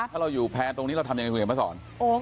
ถ้าเราอยู่แพ้ตรงนี้เราทำยังไงครับพระสร